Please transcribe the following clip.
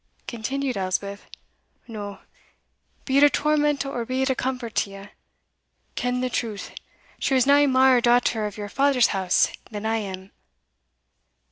continued Elspeth. "No be it a torment or be it a comfort to you ken the truth, she was nae mair a daughter of your father's house than I am."